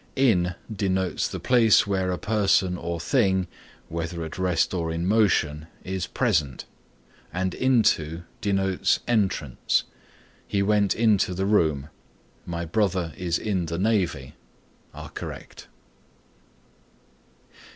In denotes the place where a person or thing, whether at rest or in motion, is present; and into denotes entrance. "He went into the room;" "My brother is in the navy" are correct.